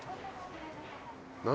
何？